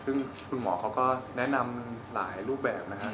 ซึ่งคุณหมอเขาก็แนะนำหลายรูปแบบนะครับ